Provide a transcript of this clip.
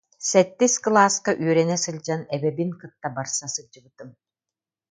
Сэттис кылааска үөрэнэ сылдьан эбэбин кытта барса сылдьыбытым